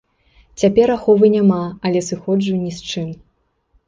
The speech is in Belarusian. Цяпер аховы няма, але сыходжу ні з чым.